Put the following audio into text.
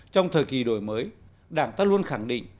trong thời kỳ đổi mới đảng ta luôn khẳng định